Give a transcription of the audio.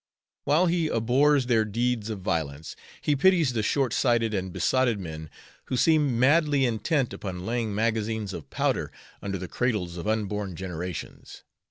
While he abhors their deeds of violence, he pities the short sighted and besotted men who seem madly intent upon laying magazines of powder under the cradles of unborn generations.